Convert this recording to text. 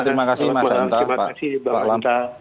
terima kasih mas hanta